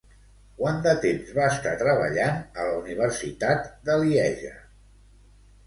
Quant de temps va estar treballant a la Universitat de Lieja?